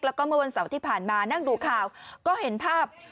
แล้วก็เมื่อวันเสาร์ที่ผ่านมานั่งดูข่าวก็เห็นภาพ